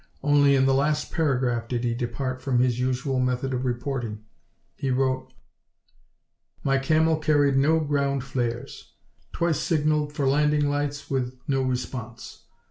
Only in the last paragraph did he depart from his usual method of reporting. He wrote: "My Camel carried no ground flares. Twice signaled for landing lights with no response.